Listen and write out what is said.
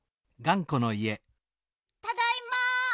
ただいま。